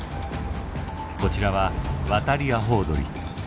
こちらはワタリアホウドリ。